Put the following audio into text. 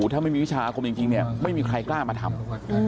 ถ้าไม่มีวิชาอาคมจริงเนี่ยไม่มีใครกล้ามาทำ